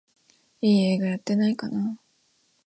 いい映画やってないかなあ